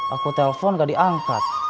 aku telpon gak diangkat